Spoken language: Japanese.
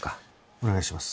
お願いします。